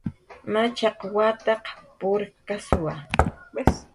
Machaq wata purkkaswa